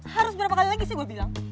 harus berapa kali lagi sih gue bilang